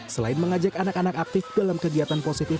selain mengajak anak anak aktif dalam kegiatan positif